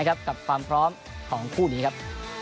กับความพร้อมของคู่นี้ครับ